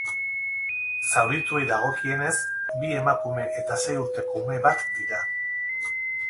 Zaurituei dagoekienez, bi emakume eta sei urteko ume bat dira.